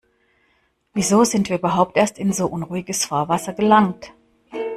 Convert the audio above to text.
Wieso sind wir überhaupt erst in so unruhiges Fahrwasser gelangt?